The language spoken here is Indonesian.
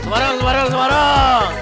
semarang semarang semarang